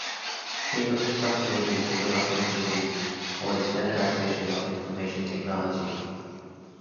Head of the subcommittee of the Russian Committee for the Standardization of Information Technology.